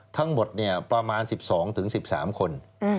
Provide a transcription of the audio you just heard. ทั้งหมดประมาณ๑๒๑๓คน